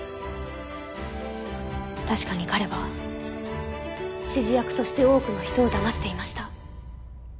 確かに彼は指示役として多くの人を騙していました。